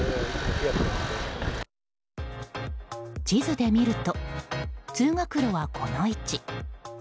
地図で見ると通学路はこの位置。